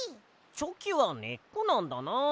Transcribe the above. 」チョキはねっこなんだな。